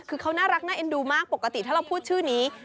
คือเขาน่ารักน่าเอ็นดูมากปกติถ้าเราพูดชื่อนี้